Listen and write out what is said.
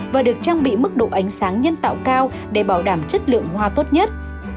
và được trang bị mức độ ánh sáng nhân tạo cao để bảo đảm chất lượng hoa tốt nhất